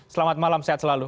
selamat malam sehat selalu